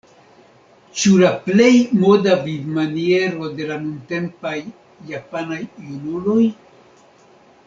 Ĉu la plej moda vivmaniero de la nuntempaj japanaj junuloj?